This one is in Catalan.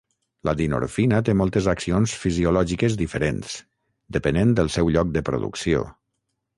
La dinorfina té moltes accions fisiològiques diferents, depenent del seu lloc de producció.